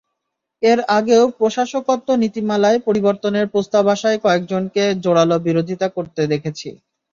এর আগেও প্রশাসকত্ব নীতিমালায় পরিবর্তনের প্রস্তাব আসায় কয়েকজনকে জোড়ালো বিরোধিতা করতে দেখেছি।